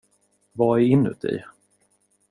Vad är inuti?